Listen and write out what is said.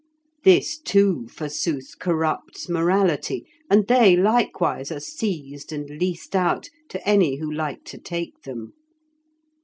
This, too, forsooth, corrupts morality, and they likewise are seized and leased out to any who like to take them.